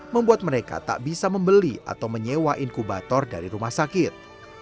membuat mereka tak bisa membeli atau menyewa inkubator dari rumah sakit